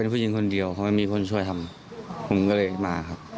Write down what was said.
ซึ่งจริงอ่ะ